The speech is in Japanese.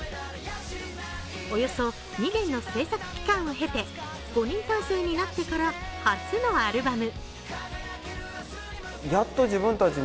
およそ２年の制作期間を経て５人体制になってから初のアルバム。